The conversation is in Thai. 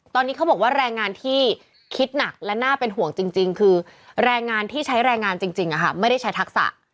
ตอนนี้เขาบอกว่าแรงงานที่คิดหนักและน่าเป็นห่วงจริงคือแรงงานที่ใช้แรงงานจริงไม่ได้ใช้ทักษะ